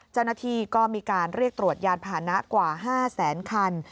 เจ้าหน้าที่ก็มีการเรียกตรวจยานผ่านะกว่า๕แสนคัน